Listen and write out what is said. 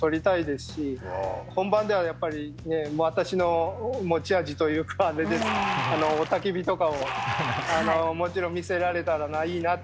本番ではやっぱり私の持ち味というかあれで雄たけびとかをもちろん見せられたらいいなってふうには思ってます。